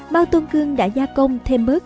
mao tôn cương đã gia công thêm bớt